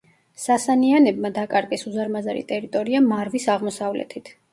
სასანიანებმა დაკარგეს უზარმაზარი ტერიტორია მარვის აღმოსავლეთით.